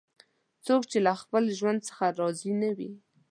څوک چې له خپل ژوند څخه راضي نه وي